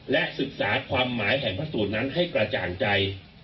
และศึกษาความหมายแห่งพระสูตรนั้นให้กระจ่างใจ